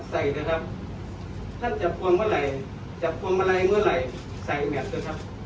ใส่นะครับท่านจับพวงเมื่อไหร่จับพวงมาลัยเมื่อไหร่ใส่แมพนะครับ